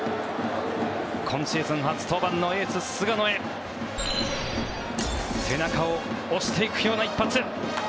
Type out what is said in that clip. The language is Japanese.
今シーズン初登板のエース、菅野へ背中を押していくような一発。